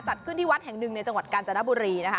จัดขึ้นที่วัดแห่งหนึ่งในจังหวัดกาญจนบุรีนะคะ